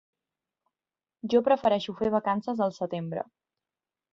Jo prefereixo fer vacances al setembre.